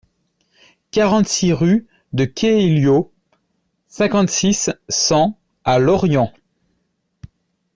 quarante-six rue de Quehellio, cinquante-six, cent à Lorient